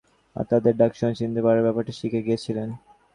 তিনি বেশিরভাগ পশুপাখিকেই তাদের ডাক শুনে চিনতে পারার ব্যাপারটা শিখে গিয়েছিলেন।